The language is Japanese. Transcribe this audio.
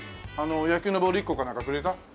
野球のボール１個かなんかくれた？